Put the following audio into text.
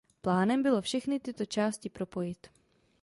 Plánem bylo všechny tyto části propojit.